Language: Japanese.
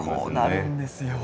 こうなるんですよ。